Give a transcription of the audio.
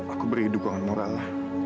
aku berhidup dengan moral